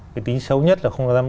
cái tính xấu nhất là không dám